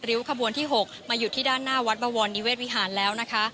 ขบวนที่๖มาอยู่ที่ด้านหน้าวัดบวรนิเศษวิหารแล้วนะคะ